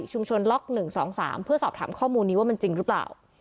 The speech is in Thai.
ชุมชนล็อกหนึ่งสองสามเพื่อสอบถามข้อมูลนี้ว่ามันจริงหรือเปล่า